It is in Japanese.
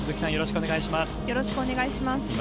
よろしくお願いします。